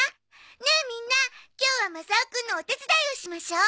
ねえみんな今日はマサオくんのお手伝いをしましょう！